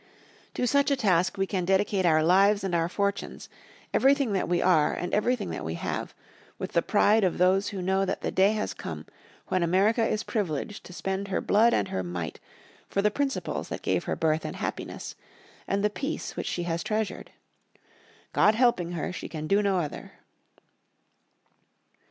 "To such a task we can dedicate our lives and our fortunes, everything that we are and everything that we have, with the pride of those who know that the day has come when America is privileged to spend her blood and her might for the principles that gave her birth and happiness, and the peace which she has treasured. God helping her she can do no other."